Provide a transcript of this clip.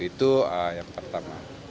itu yang pertama